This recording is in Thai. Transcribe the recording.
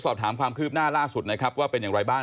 สอบถามคลืบหน้าล่าสุดว่าเป็นอย่างไรบ้าง